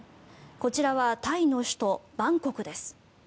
こちらはタイの首都バンコクです。